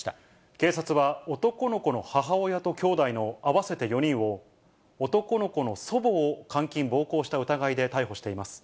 警察は男の子の母親ときょうだいの合わせて４人を、男の子の祖母を監禁・暴行した疑いで逮捕しています。